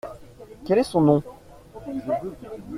Quel est son nom ?